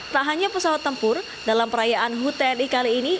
tak hanya pesawat tempur dalam perayaan hute dikali ini